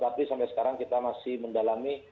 tapi sampai sekarang kita masih mendalami